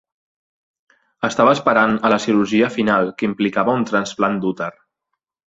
Estava esperant a la cirurgia final que implicava un trasplant d'úter.